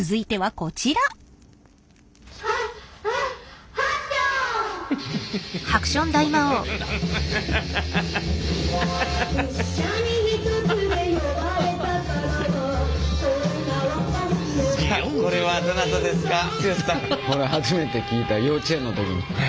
これ初めて聴いた幼稚園の時に。